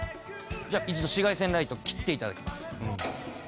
じゃあ一度紫外線ライトを切って頂きます。